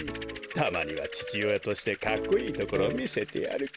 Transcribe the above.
たまにはちちおやとしてかっこいいところをみせてやるか。